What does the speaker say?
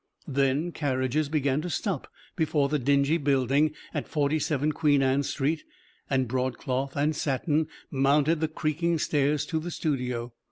Then carriages began to stop before the dingy building at Forty seven Queen Anne Street, and broadcloth and satin mounted the creaking stairs to the studio.